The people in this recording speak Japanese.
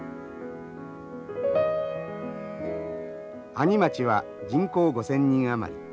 阿仁町は人口５，０００人余り。